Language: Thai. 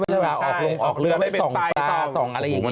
ว่าเวลาออกร่องออกเรือไว้๒ปืน๒อะไรอย่างเงี้ย